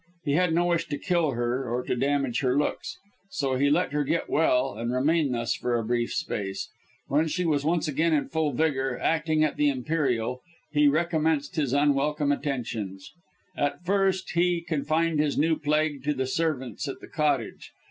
He had no wish to kill her or to damage her looks so he let her get well and remain thus for a brief space. When she was once again in full vigour, acting at the Imperial, he recommenced his unwelcome attentions. At first he confined his new plague to the servants at the Cottage.